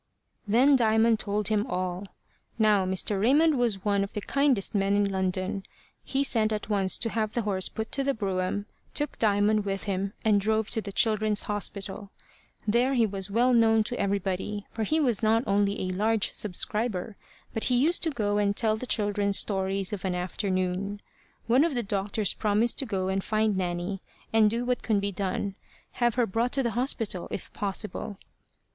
Then Diamond told him all. Now Mr. Raymond was one of the kindest men in London. He sent at once to have the horse put to the brougham, took Diamond with him, and drove to the Children's Hospital. There he was well known to everybody, for he was not only a large subscriber, but he used to go and tell the children stories of an afternoon. One of the doctors promised to go and find Nanny, and do what could be done have her brought to the hospital, if possible.